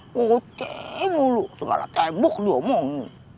ngote dulu segala cebok dia omong